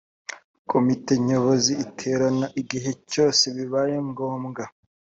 komite nyobozi iterana igihe cyose bibaye ngombwa